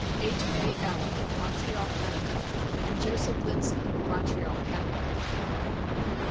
H. A. Allan, Mon treal, Canada, and Joseph Lindsay, Montreal, Canada.